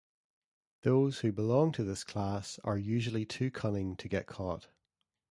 Those who belong to this class are usually too cunning to get caught.